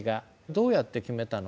どうやって決めたの？